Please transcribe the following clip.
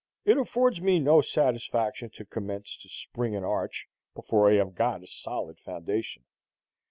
It affords me no satisfaction to commence to spring an arch before I have got a solid foundation.